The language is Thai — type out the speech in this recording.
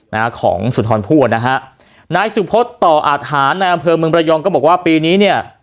นะฮะของสุนทรพูดนะฮะนายสุพศต่ออาทหารในอำเภอเมืองระยองก็บอกว่าปีนี้เนี่ย